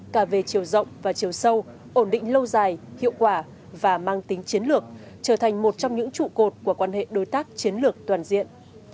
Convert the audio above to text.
cả về chiều rộng và chiều sâu ổn định lâu dài hiệu quả và mang tính chiến lược trở thành một trong những trụ cột của quan hệ đối tác chiến lược toàn diện